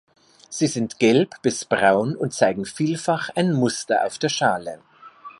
Sie sind gelb bis braun und zeigen vielfach ein Muster auf der Schale.